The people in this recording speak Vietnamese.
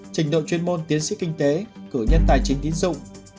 trình độ chuyên môn tiến sĩ kinh tế cử nhân tài chính tín dụng